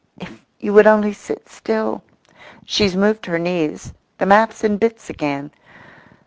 If you would only sit still. She's moved her knees—the map's in bits again.